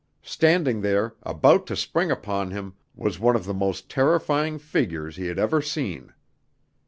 Standing there, about to spring upon him, was one of the most terrifying figures he had ever seen.